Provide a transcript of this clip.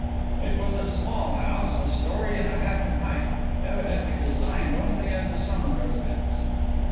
It was a small house, a story and a half in height, evidently designed only as a summer residence.